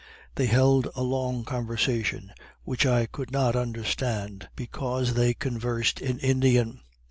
They held a long conversation which I could not understand, because they conversed in Indian.